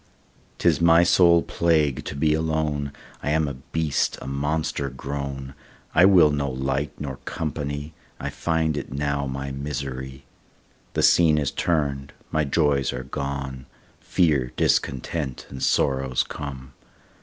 'Tis my sole plague to be alone, I am a beast, a monster grown, I will no light nor company, I find it now my misery. The scene is turn'd, my joys are gone, Fear, discontent, and sorrows come.